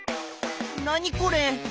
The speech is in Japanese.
何これ？